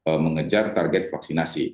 dan kemudian mengejar target vaksinasi